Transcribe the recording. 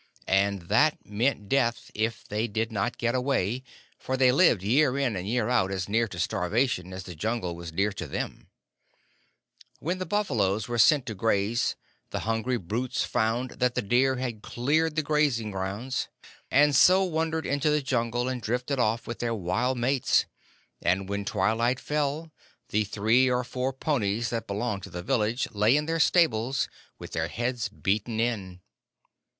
And that meant death if they did not get away, for they lived year in and year out as near to starvation as the Jungle was near to them. When the buffaloes were sent to graze the hungry brutes found that the deer had cleared the grazing grounds, and so wandered into the Jungle and drifted off with their wild mates; and when twilight fell the three or four ponies that belonged to the village lay in their stables with their heads beaten in.